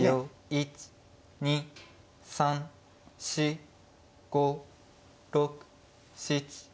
１２３４５６７。